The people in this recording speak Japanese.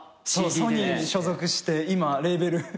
ソニーに所属して今レーベル。